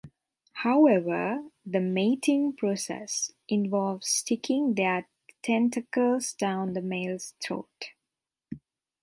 However, the "mating" process involves sticking their tentacles down the male's throat.